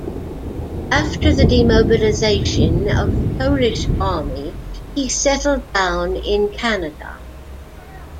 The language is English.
After the demobilization of the Polish Army he settled down in Canada.